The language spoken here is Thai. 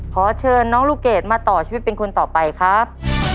ขอเชิญน้องลูกเกดมาต่อชีวิตเป็นคนต่อไปครับ